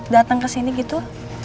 datang ke sini gitu